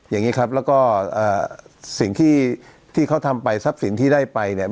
อย่างนี้ครับแล้วก็สิ่งที่ที่เขาทำไปทรัพย์สินที่ได้ไปเนี่ย